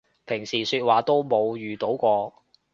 平時說話都冇遇到過